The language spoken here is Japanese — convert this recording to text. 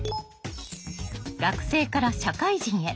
学生から社会人へ。